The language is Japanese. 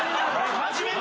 初めて？